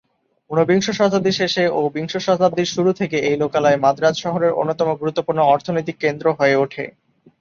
ঊনবিংশ শতাব্দীর শেষে ও বিংশ শতাব্দীর শুরু থেকে এই লোকালয় মাদ্রাজ শহরের অন্যতম গুরুত্বপূর্ণ অর্থনৈতিক কেন্দ্র হয়ে ওঠে।